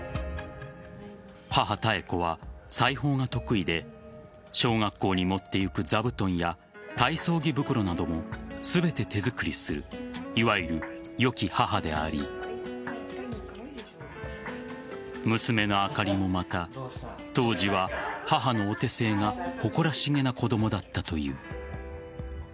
母・妙子は裁縫が得意で小学校に持って行く座布団や体操着袋なども全て手作りするいわゆる良き母であり娘のあかりもまた当時は母のお手製が誇らしげな子供だったという。